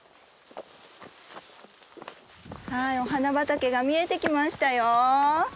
はいお花畑が見えてきましたよ。